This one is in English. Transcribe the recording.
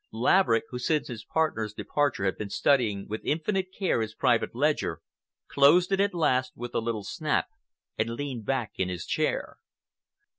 Laverick, who since his partner's departure had been studying with infinite care his private ledger, closed it at last with a little snap and leaned back in his chair.